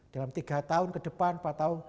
dalam tiga tahun ke depan pak tau